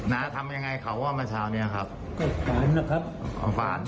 น้าทำยังไงเขาว่าเมื่อเช้าเนี้ยครับก็ฝ่านนะครับอ๋อฝ่าน